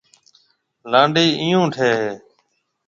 لانڊي ايو ٺيَ ھيََََ